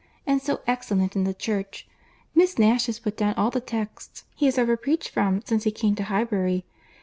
And so excellent in the Church! Miss Nash has put down all the texts he has ever preached from since he came to Highbury.